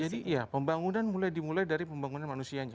jadi ya pembangunan mulai dimulai dari pembangunan manusianya